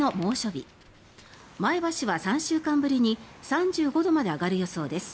日前橋は３週間ぶりに３５度まで上がる予想です。